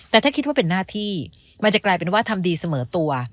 แต่ถ้าคิดว่าเป็นหน้าที่มันจะกลายเป็นว่าทำดีเสมอตัว